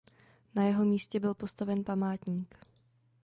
Na jeho místě byl postaven památník.